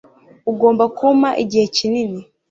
ugomba kumpa igihe kinini